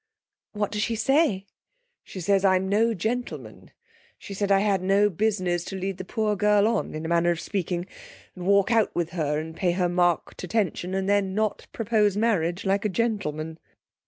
'What does she say?' 'She says I'm no gentleman. She said I had no business to lead the poor girl on, in a manner of speaking, and walk out with her, and pay her marked attention, and then not propose marriage like a gentleman.'